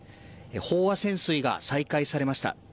飽和潜水が再開されました。